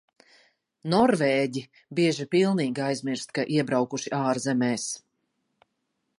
Norvēģi bieži pilnīgi aizmirst, ka iebraukuši ārzemēs.